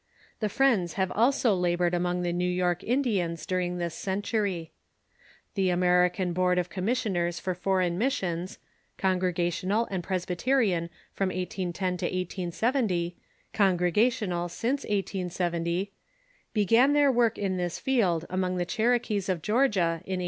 The Friends have also labored among the New York Indians during this century. The American Board of Com missioners for Foreign Missions (Congregational and Presby terian from 1810 to 1870, Congregational since 1870) began their work in this field among the Cherokees of Georgia in 1815.